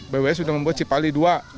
bws sudah membuat cipali ii